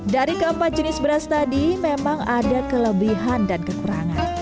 dari keempat jenis beras tadi memang ada kelebihan dan kekurangan